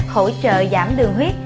hỗ trợ giảm đường huyết